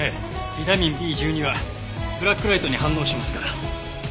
ビタミンＢ１２はブラックライトに反応しますから。